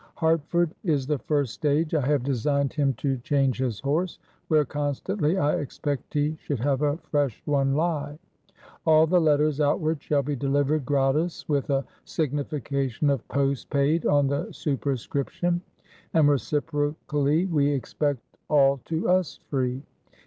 Hartford is the first stage I have designed him to change his horse, where constantly I expect he should have a fresh one lye. All the letters outward shall be delivered gratis with a signification of Post Payd on the superscription; and reciprocally, we expect all to us free.